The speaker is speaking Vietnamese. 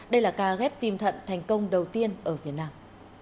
đây là ca ghép tim thận thành công đầu tiên ở việt nam